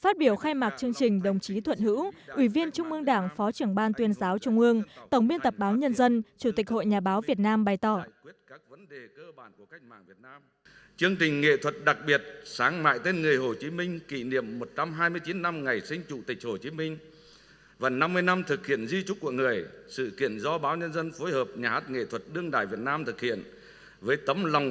tới tham dự chương trình có đồng chí phạm minh chính ủy viên bộ chính trị bí tư trung ương đảng trưởng ban tổ chức trung ương đồng chí võ văn thường ủy viên bộ chính trị bí tư trung ương đảng lãnh đạo các bộ ban ngành trung ương và địa phương